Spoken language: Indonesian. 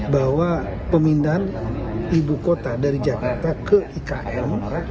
bahwa pemindahan ibu kota dari jakarta ke ikn